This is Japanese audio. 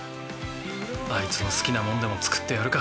あいつの好きなもんでも作ってやるか。